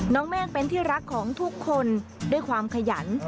แม่งเป็นที่รักของทุกคนด้วยความขยัน